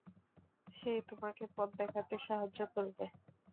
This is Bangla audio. সে তোমাকে পথ দেখাতে সাহায্য করবে।